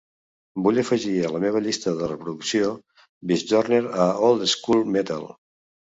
Vull afegir a la meva llista de reproducció Visjoner a old school metal